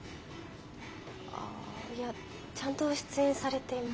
あいやちゃんと出演されています。